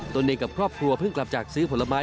ตัวเองกับครอบครัวเพิ่งกลับจากซื้อผลไม้